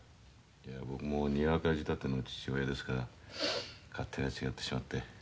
いや僕もにわか仕立ての父親ですから勝手が違ってしまって。